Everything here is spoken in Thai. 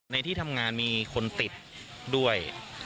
ในที่ทำงานมีคนติดด้วย